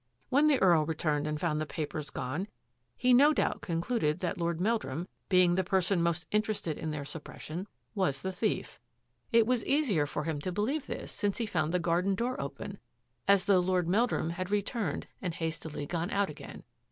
When the Earl returned and found the papers gone, he no doubt concluded that Lord Meldrum, being the person most interested in their suppres sion, was the thief. It was easier for him to believe 264 THAT AFFAIR AT THE IVIANOR this since he found the garden door open — as though Lord Meldrum had returned and hastily gone out again.